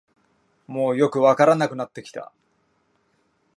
もうよくわからなくなってきた